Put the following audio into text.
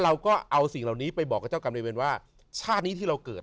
เราก็เอาสิ่งเหล่านี้ไปบอกกับเจ้ากรรมในเวรว่าชาตินี้ที่เราเกิด